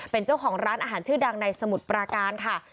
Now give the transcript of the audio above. เป็นเจ้าของร้านอาหารชื่อดังในสมุทรปราการค่ะ